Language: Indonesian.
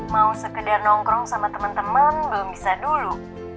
mau sekedar nongkrong sama teman teman belum bisa dulu